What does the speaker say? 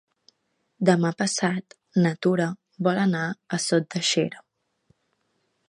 Demà passat na Tura vol anar a Sot de Xera.